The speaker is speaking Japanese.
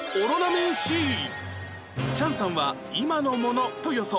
チャンさんは今のものと予想